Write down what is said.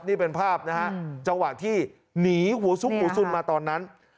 นี่เป็นภาพนะฮะจังหวะที่หนีหัวซุกหูสุนมาตอนนั้น